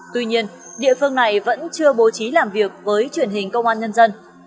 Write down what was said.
tuy nhiên địa phương này vẫn chưa bố trí làm việc với truyền hình công an nhân dân